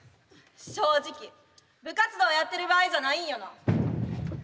正直部活動やってる場合じゃないんよな。